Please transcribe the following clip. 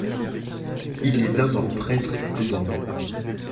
Il est d'abord prêtre à Bordeaux.